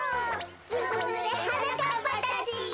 ずぶぬれはなかっぱたち！